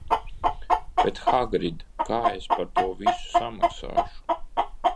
Bet Hagrid, kā es par to visu samaksāšu?